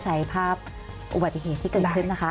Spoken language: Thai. ใช้ภาพอุบัติเหตุที่เกิดขึ้นนะคะ